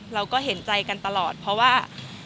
เราก็เห็นใจกันตลอดเพราะว่า